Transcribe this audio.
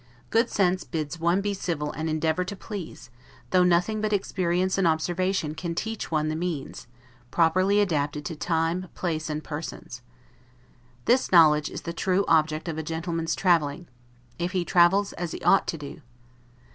Good sense bids one be civil and endeavor to please; though nothing but experience and observation can teach one the means, properly adapted to time, place, and persons. This knowledge is the true object of a gentleman's traveling, if he travels as he ought to do.